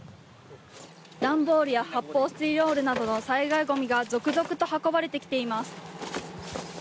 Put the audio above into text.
段ボールや発泡スチロールなどの災害ゴミが続々と運ばれてきています。